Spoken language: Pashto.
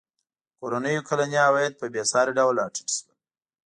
کورنیو کلني عواید په بېساري ډول راټیټ شول.